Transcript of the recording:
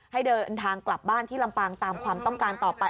ให้เดินทางกลับบ้านที่ลำปางตามความต้องการต่อไป